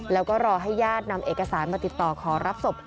แล้วก็รอให้ญาตินำเอกสารมาติดต่อขอรับศพ